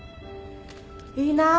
いいなぁ！